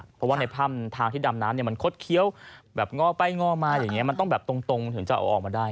เพราะว่าในถ้ำทางที่ดำน้ำมันคดเคี้ยวแบบง่อไปง่อมาอย่างนี้มันต้องแบบตรงถึงจะเอาออกมาได้